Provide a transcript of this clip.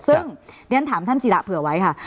ซึ่งด้วยนั้นถามท่านศิรา้าเผื่อไว้ค่ะ